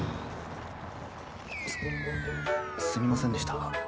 すすみませんでした。